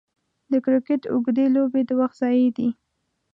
د کرکټ اوږدې لوبې د وخت ضايع دي.